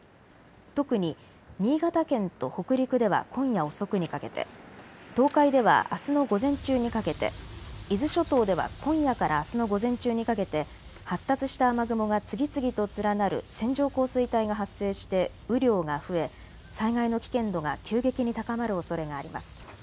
特に新潟県と北陸では今夜遅くにかけて、東海ではあすの午前中にかけて、伊豆諸島では今夜からあすの午前中にかけて発達した雨雲が次々と連なる線状降水帯が発生して雨量が増え災害の危険度が急激に高まるおそれがあります。